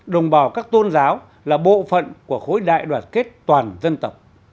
đồng bào các tôn giáo là bộ phận của khối đại đoàn kết toàn dân tộc